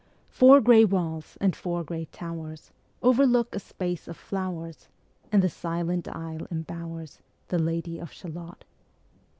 Four gray walls, and four gray towers, Overlook a space of flowers, And the silent isle imbowers Ā Ā The Lady of Shalott.